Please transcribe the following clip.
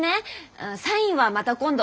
あサインはまた今度。